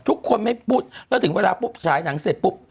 ทุกคนไม่พูดแล้วถึงเวลาปุ๊บฉายหนังเสร็จปุ๊บ